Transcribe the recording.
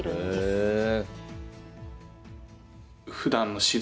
へえ。